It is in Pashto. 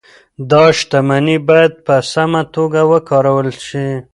دا شتمني باید په سمه توګه وکارول شي.